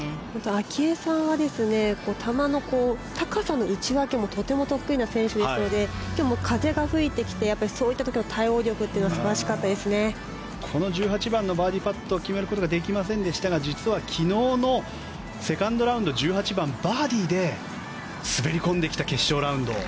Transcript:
明愛さんは球の高さの打ち分けもとても得意な選手ですので今日も風が吹いてきてそういった時のこの１８番のバーディーパットを決めることができませんでしたが実は昨日のセカンドラウンド１８番バーディーで滑り込んできた決勝ラウンド。